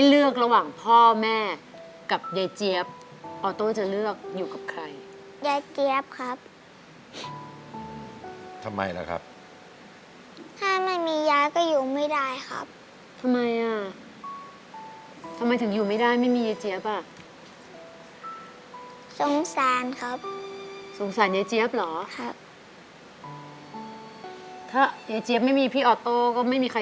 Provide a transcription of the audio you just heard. เขาก็เป็น๑๒๓ของห้องใช่ไหมคะ